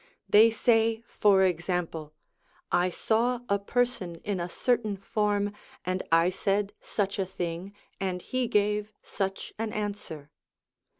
They say, for example : 1 1 saw a person in a certain form, and I said such a thing, and he gave such an answer.'